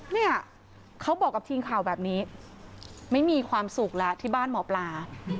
เนี่ยเขาบอกกับทีมข่าวแบบนี้ไม่มีความสุขแล้วที่บ้านหมอปลา